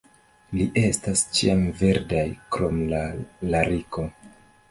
Ili estas ĉiamverdaj krom la lariko.